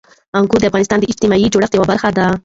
انګور د افغانستان د اجتماعي جوړښت یوه برخه ده.